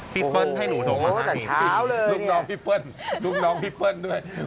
พี่เปิ้ลให้หนูโทรมามากเลยลูกน้องพี่เปิ้ลลูกน้องพี่เปิ้ลด้วย